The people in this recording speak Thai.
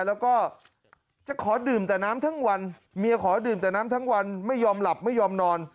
แล้วก็จะขอดื่มแต่น้ำทั้งวันเมียขอดื่มแต่น้ำทั้งวันไม่ยอมหลับไม่ยอมนอน